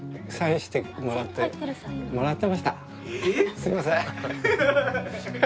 すいません！